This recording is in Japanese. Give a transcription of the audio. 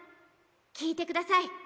聴いてください。